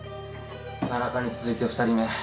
タナカに続いて２人目。